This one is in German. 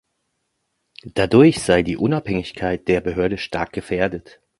Dadurch sei die Unabhängigkeit der Behörde stark gefährdet.